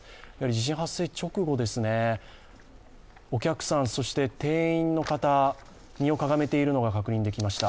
地震発生直後ですね、お客さん、店員の方、身をかがめているのが確認できました。